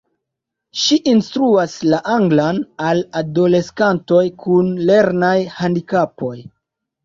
Ŝi instruas la anglan al adoleskantoj kun lernaj handikapoj.